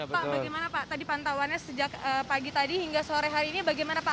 pak bagaimana pak tadi pantauannya sejak pagi tadi hingga sore hari ini bagaimana pak